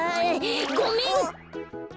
ごめん！